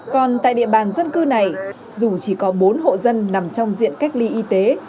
còn tại địa bàn dân cư này dù chỉ có bốn hộ dân nằm trong diện cách ly y tế